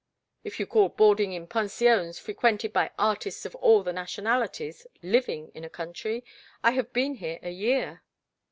"If you call boarding in pensions frequented by artists of all the nationalities, living in a country, I have been here a year."